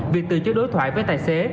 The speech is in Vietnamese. việc từ chối đối thoại với tài xế